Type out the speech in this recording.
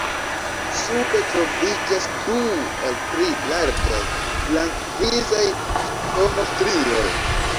Sube troviĝas du al tri larĝaj blank-grizaj stomo-strioj.